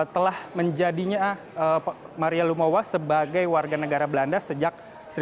telah menjadinya maria lumowa sebagai warga negara belanda sejak seribu sembilan ratus sembilan puluh